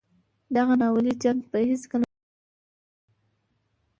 دغه ناولی جنګ به هیڅکله نه وای پېښ شوی.